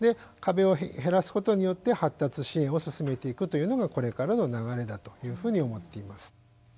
壁を減らすことによって発達支援を進めていくというのがこれからの流れだというふうに思っています。